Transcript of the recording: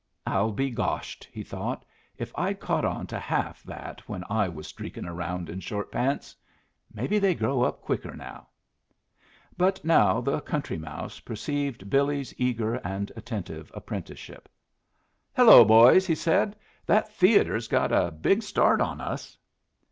"I'll be goshed," he thought, "if I'd caught on to half that when I was streakin' around in short pants! Maybe they grow up quicker now." But now the Country Mouse perceived Billy's eager and attentive apprenticeship. "Hello, boys!" he said, "that theatre's got a big start on us."